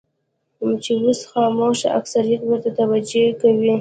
چې اوس خاموش اکثریت ورته توجه کوي.